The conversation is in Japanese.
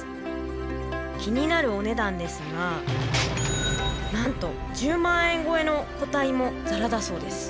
気になるお値段ですがなんと１０万円越えの個体もざらだそうです。